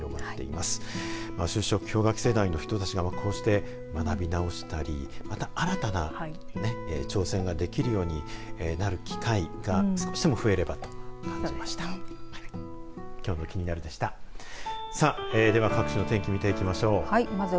まあ、就職氷河期世代の人たちがこうして学び直したりまた新たな挑戦ができるようになる機会が、少しでも増えればと思いました。